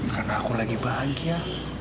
karena aku lagi bahagia